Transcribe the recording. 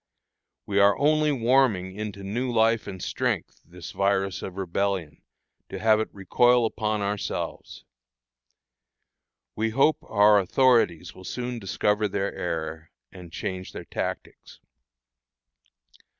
We are only warming into new life and strength this virus of Rebellion, to have it recoil upon ourselves. We hope our authorities will soon discover their error, and change their tactics.